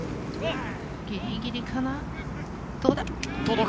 ギリギリかな？